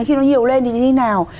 khi nó nhiều lên thì đi nào